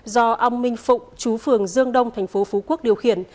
do ông minh phụng chú phường dương đông thành phố phú quốc điều khiển